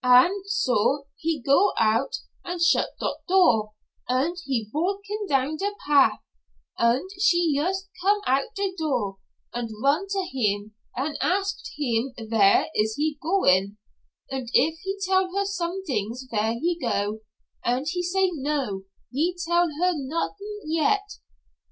Und so he go out und shut dot door, und he valkin' down der pat', und she yust come out der door, und run to heem und asket heem vere he is goin' und if he tell her somedings vere he go, und he say no, he tell her not'ing yet.